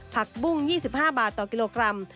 ผักบุ้ง๒๕บาทต่อกิโลกรัม